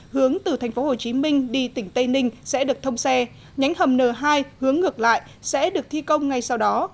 hướng từ tp hcm đi tỉnh tây ninh sẽ được thông xe nhánh hầm n hai hướng ngược lại sẽ được thi công ngay sau đó